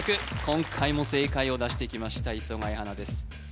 今回も正解を出してきました磯貝初奈です